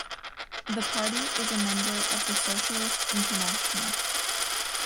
The party is a member of the Socialist International.